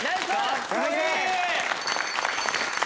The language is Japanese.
かっこいい！